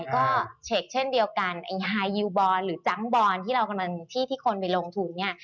ก็เช็คเช่นเดียวกันฮายีวบอร์นหรือจังก์บอร์นที่คนไปลงทุน